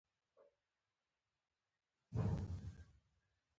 نورو افسرانو د پادري له ځورولو څخه خوند اخیست.